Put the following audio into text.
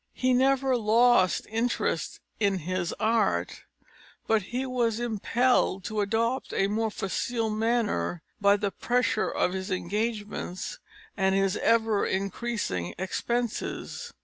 He never lost interest in his art, but he was impelled to adopt a more facile manner by the pressure of his engagements and his ever increasing expenses.